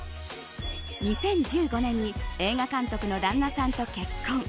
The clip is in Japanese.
２０１５年に映画監督の旦那さんと結婚。